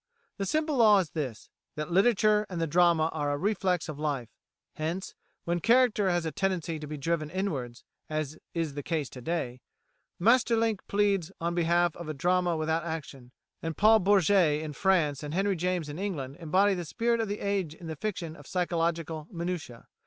The simple law is this: that literature and the drama are a reflex of life; hence, when character has a tendency to be driven inwards, as is the case to day, Maeterlinck pleads on behalf of a drama without action; and Paul Bourget in France and Henry James in England embody the spirit of the age in the fiction of psychological minutiæ.